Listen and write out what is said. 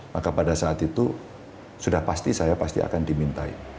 maka pada saat itu sudah pasti saya pasti akan dimintai